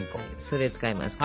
それ使いますから。